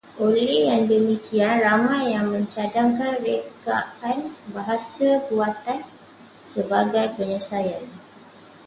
Oleh yang demikian, ramai yang mencadangkan rekaan bahasa buatan sebagai penyelesaian